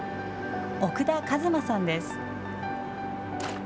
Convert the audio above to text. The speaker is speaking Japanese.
奥田一眞さんです。